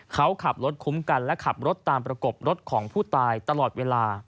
เขาขับรถคุ้มกันและขับรถตามประกบรถของผู้ตายตลอดเวลา